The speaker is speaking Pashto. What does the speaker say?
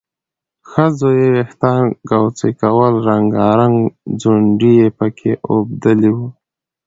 ښځو یې وېښتان کوڅۍ کول، رنګارنګ ځونډي یې پکې اوبدلي وو